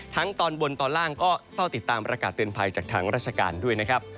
ตอนบนตอนล่างก็เฝ้าติดตามประกาศเตือนภัยจากทางราชการด้วยนะครับ